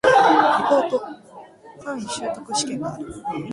リポート、単位習得試験がある